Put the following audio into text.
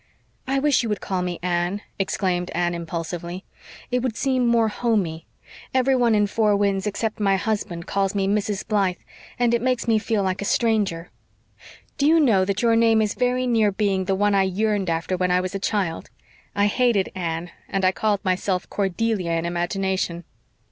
"I wish you would call me Anne," exclaimed Anne impulsively. "It would seem more HOMEY. Everyone in Four Winds, except my husband, calls me Mrs. Blythe, and it makes me feel like a stranger. Do you know that your name is very near being the one I yearned after when I was a child. I hated 'Anne' and I called myself 'Cordelia' in imagination."